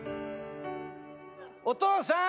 「お父さん！